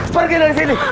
pergi dari sini